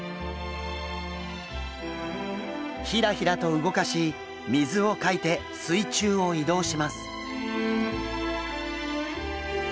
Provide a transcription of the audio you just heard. ヒラヒラと動かし水をかいて水中を移動します。